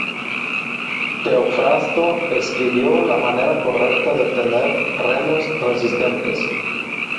Teofrasto escribió la manera correcta de obtener remos resistentes.